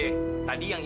i répondu kirim katanya